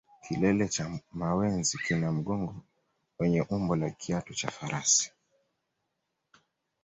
Kilele cha mawenzi kina mgongo wenye umbo la kiatu cha farasi